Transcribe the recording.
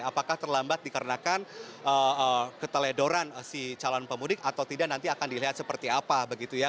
apakah terlambat dikarenakan keteledoran si calon pemudik atau tidak nanti akan dilihat seperti apa begitu ya